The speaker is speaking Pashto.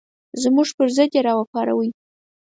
زموږ پر ضد یې راوپاروئ.